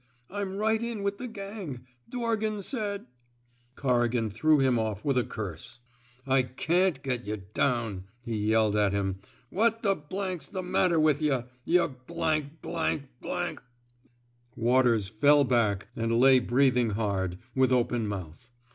I*m right in with the gang. Dorgan said —Corrigan threw him off with a curse. *' I can*t get yuh down, he yelled at him. What the *s the matter with yuh, yuh Waters fell back and lay breathing hard, with open mouth.